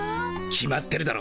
決まってるだろ。